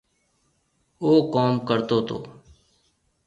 او ڪوم ڪرتو تو